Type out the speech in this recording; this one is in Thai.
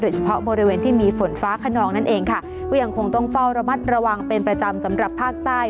เฉพาะบริเวณที่มีฝนฟ้าขนองนั่นเองค่ะก็ยังคงต้องเฝ้าระมัดระวังเป็นประจำสำหรับภาคใต้